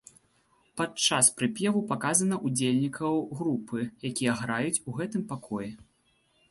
Пад час прыпеву паказана удзельнікаў групы, якія граюць у гэтым пакоі.